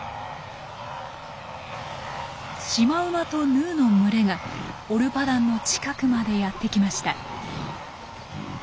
シマウマとヌーの群れがオルパダンの近くまでやって来ました。